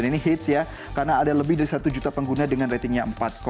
dan ini hits ya karena ada lebih dari satu juta pengguna dengan ratingnya empat enam